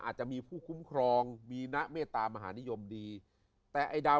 อาจจะมีผู้คุ้มครองมีณเมตามหานิยมดีแต่ไอ้ดาว